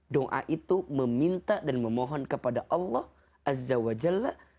doa itu meminta dan memohon kepada allah swt